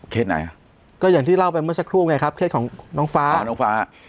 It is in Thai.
ไหนก็อย่างที่เล่าไปเมื่อสักครู่ไงครับเคสของน้องฟ้าน้องฟ้า